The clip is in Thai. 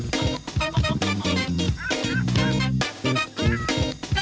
ไปกันนะสวัสดีค่ะสวัสดีค่ะ